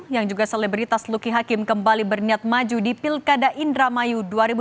yang juga selebritas luki hakim kembali berniat maju di pilkada indramayu dua ribu tujuh belas